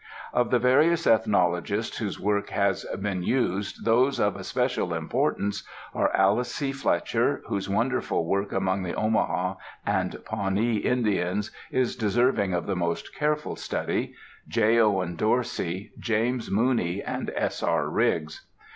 Of the various ethnologists whose work has been used, those of especial importance are Alice C. Fletcher, whose wonderful work among the Omaha and Pawnee Indians is deserving of the most careful study, J. Owen Dorsey, James Mooney, and S. R. Riggs.